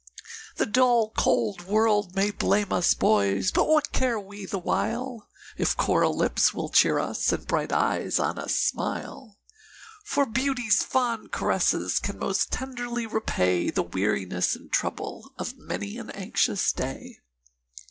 The dull, cold world may blame us, boys! but what care we the while, If coral lips will cheer us, and bright eyes on us smile? For beauty's fond caresses can most tenderly repay The weariness and trouble of many an anxious day.